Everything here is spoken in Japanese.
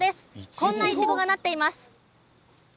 こんないちごがなっています。